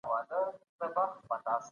بنسټونه د سياسي واک د تنظيم لپاره اړين دي.